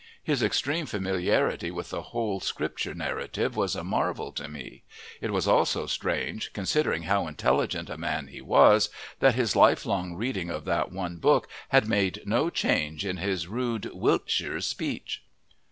His extreme familiarity with the whole Scripture narrative was a marvel to me; it was also strange, considering how intelligent a man he was, that his lifelong reading of that one book had made no change in his rude "Wiltsheer" speech.